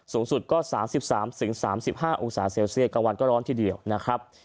สูงสุดก็๓๓๕องศาเซลเซียสกลางวันก็ร้อนทีเดียวนะครับ